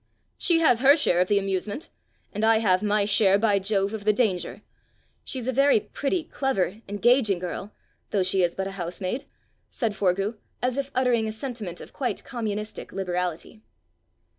"She has her share of the amusement, and I have my share, by Jove, of the danger! She's a very pretty, clever, engaging girl though she is but a housemaid!" said Forgue, as if uttering a sentiment of quite communistic liberality.